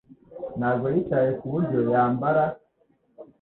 Ntabwo yitaye kuburyo yambara